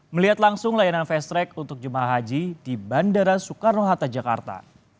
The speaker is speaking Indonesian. melihat langsung layanan fast track untuk jemaah haji di bandara soekarno hatta jakarta